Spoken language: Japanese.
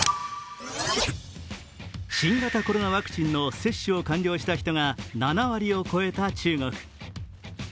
新型コロナワクチンの接種を完了した人が７割を超えた中国。